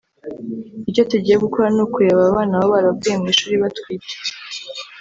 Icyo tugiye gukora ni ukureba abana baba baravuye mu ishuri batwite